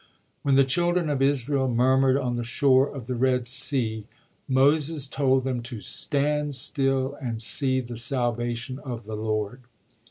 When the children of Israel murmured on the shore of the Red Sea, Moses told them to " stand still and see the salvation of the Lord."